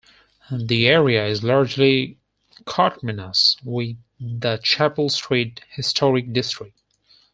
The area is largely coterminous with the Chapel Street Historic District.